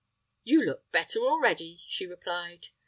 "You look better already," she replied.